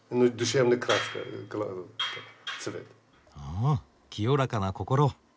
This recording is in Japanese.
あ清らかな心。